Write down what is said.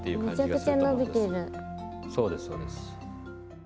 そうですそうです。